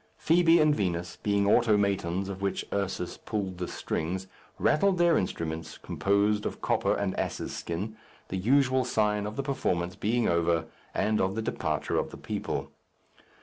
Fibi and Vinos, being automatons of which Ursus pulled the strings, rattled their instruments, composed of copper and ass's skin the usual sign of the performance being over and of the departure of the people.